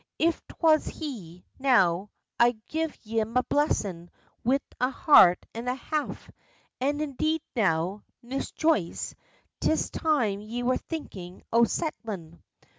"If 'twas he, now, I'd give ye me blessin' wid a heart and a half. An' indeed, now, Miss Joyce, 'tis time ye were thinkin' o' settlin'."